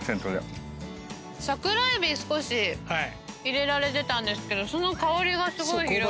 サクラエビ少し入れられてたんですけどその香りがすごい広がって。